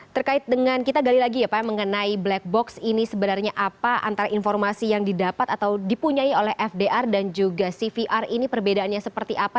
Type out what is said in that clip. terkait dengan kita gali lagi ya pak mengenai black box ini sebenarnya apa antara informasi yang didapat atau dipunyai oleh fdr dan juga cvr ini perbedaannya seperti apa